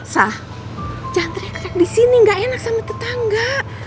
sah jangan teriak teriak disini gak enak sama tetangga